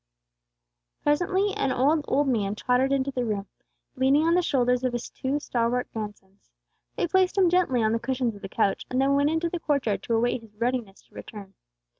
Presently an old, old man tottered into the room, leaning on the shoulders of his two stalwart grandsons. They placed him gently on the cushions of the couch, and then went into the court yard to await his readiness to return.